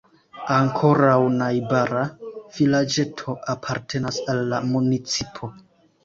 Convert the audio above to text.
Ankoraŭ najbara vilaĝeto apartenas al la municipo.